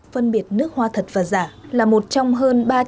phân biệt nước hoa thật và giả là một trong hơn những kiến thức